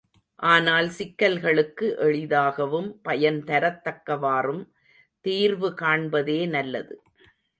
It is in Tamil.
ஆனால் சிக்கல்களுக்கு எளிதாகவும் பயன்தரத் தக்கவாறும் தீர்வு காண்பதே நல்லது.